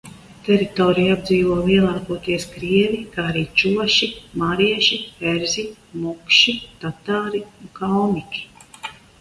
Teritoriju apdzīvo lielākoties krievi, kā arī čuvaši, marieši, erzji, mokši, tatāri un kalmiki.